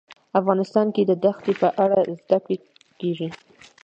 افغانستان کې د دښتې په اړه زده کړه کېږي.